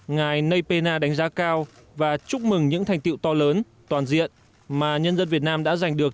ngài nay pena đánh giá cao và chúc mừng những thành tiệu to lớn toàn diện mà nhân dân việt nam đã giành được